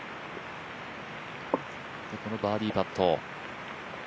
このバーディーパット。